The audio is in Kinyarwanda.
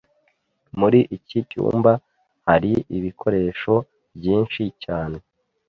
Muri iki cyumba hari ibikoresho byinshi cyane.